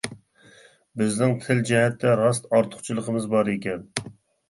بىزنىڭ تىل جەھەتتە راست ئارتۇقچىلىقىمىز بار ئىكەن.